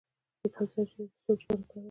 د ګازرې شیره د سترګو لپاره وکاروئ